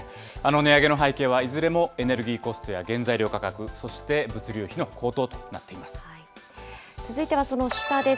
値上げの背景はいずれもエネルギーコストや原材料価格、そして物続いてはその下です。